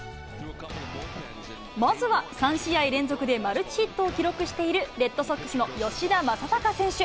まずは３試合連続でマルチヒットを記録しているレッドソックスの吉田正尚選手。